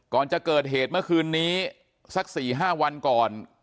ก่อนจะเกิดเหตุเมื่อคืนนี้สัก๔๕วันก่อน